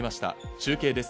中継です。